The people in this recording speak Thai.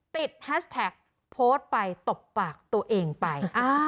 แฮชแท็กโพสต์ไปตบปากตัวเองไป